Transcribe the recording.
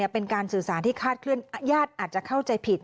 เป็นการสื่อสารที่คาดเคลื่อญาติอาจจะเข้าใจผิด